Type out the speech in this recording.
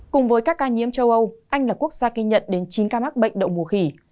cùng với các ca nhiễm châu âu anh là quốc gia ghi nhận đến chín ca mắc bệnh đậu mùa khỉ